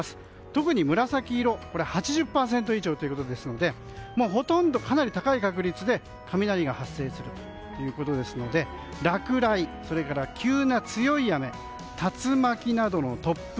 特に紫色８０％以上ということでほとんどかなり高い確率で雷が発生するということですので落雷、急な強い雨竜巻などの突風